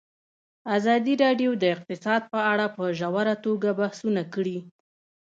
ازادي راډیو د اقتصاد په اړه په ژوره توګه بحثونه کړي.